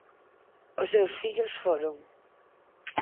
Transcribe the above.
Os seus fillos foron.